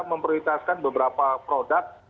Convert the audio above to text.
memprioritaskan beberapa produk